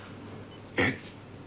えっ？